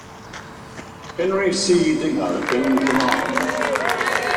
Henry C. Dinger in command.